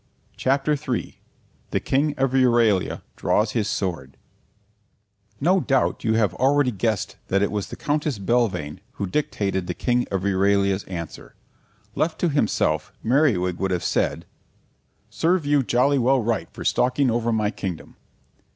CHAPTER III THE KING OF EURALIA DRAWS HIS SWORD No doubt you have already guessed that it was the Countess Belvane who dictated the King of Euralia's answer. Left to himself, Merriwig would have said, "Serve you jolly well right for stalking over my kingdom."